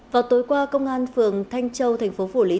vào tối qua công an phường thanh châu tp phủ liên